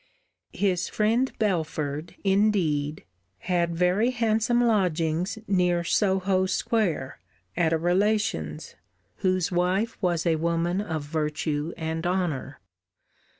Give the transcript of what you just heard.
His friend Belford, indeed, had very handsome lodgings near Soho square, at a relation's, whose wife was a woman of virtue and honour.